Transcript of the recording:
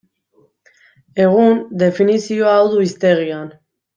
Egun, definizio hau du hiztegian.